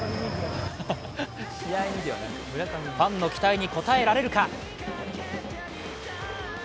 ファンの期待に応えられるか。